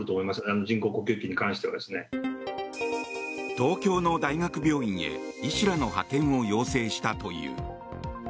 東京の大学病院へ医師らの派遣を要請したという。